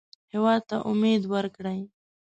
هېواد ته امید ورکړئ